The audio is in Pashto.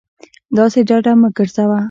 داسې ډاډه مه گرځه